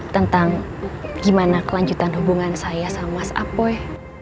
tentang gimana kelanjutan hubungan saya sama mas apoy